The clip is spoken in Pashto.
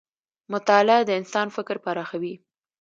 مطالعه د انسان فکر پراخوي.